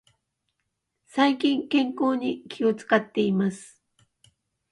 最近、健康に気を使っています。